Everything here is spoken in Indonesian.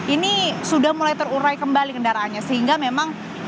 ini sudah mulai terurai kembali kendaraannya sehingga memang